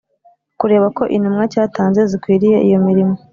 Kureba ko intumwa cyatanze zikwiriye iyo mirimo